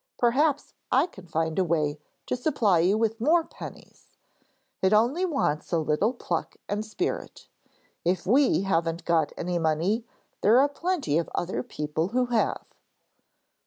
Perhaps I can find a way to supply you with more pennies. It only wants a little pluck and spirit! If we haven't got any money, there are plenty of other people who have.'